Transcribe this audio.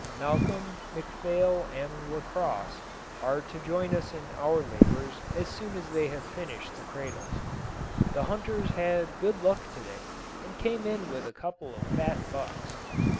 Malcolm, McPhail, and Lacosse, are to join us in our labours as soon as they have finished the cradles. The hunters had good luck to day, and came in with a couple of fat bucks.